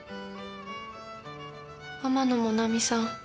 天野もなみさん